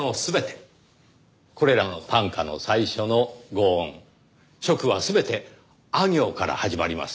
これらの短歌の最初の５音初句は全てあ行から始まります。